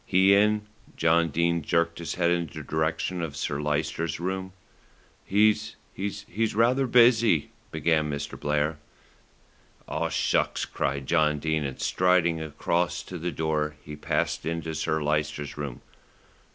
"He in?" John Dene jerked his head in the direction of Sir Lyster's room. "He's he's rather busy," began Mr. Blair. "Oh, shucks!" cried John Dene, and striding across to the door he passed into Sir Lyster's room.